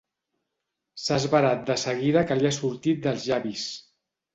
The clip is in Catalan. S'ha esverat de seguida que li ha sortit dels llavis.